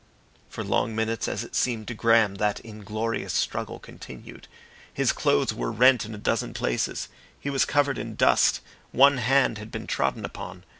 For long minutes as it seemed to Graham that inglorious struggle continued. His clothes were rent in a dozen places, he was covered in dust, one hand had been trodden upon.